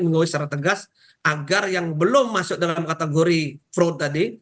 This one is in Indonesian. mengawasi secara tegas agar yang belum masuk dalam kategori fraud tadi